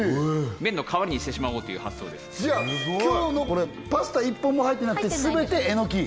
麺のかわりにしてしまおうという発想ですじゃあ今日のこれパスタ１本も入ってなくてすべてえのき？